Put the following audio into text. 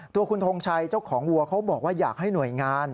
ตัวคุณทงชัยเจ้าของวัวเขาบอกว่าอยากให้หน่วยงาน